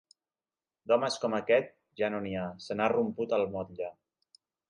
D'homes com aquest, ja no n'hi ha: se n'ha romput el motlle.